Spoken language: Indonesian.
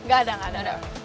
gak ada gak ada